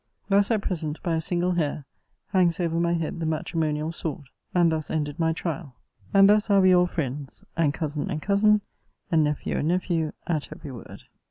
Thus, at present, by a single hair, hangs over my head the matrimonial sword. And thus ended my trial. And thus are we all friends, and Cousin and Cousin, and Nephew and Nephew, at every word.